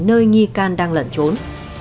nơi nghi can đang lẩn trốn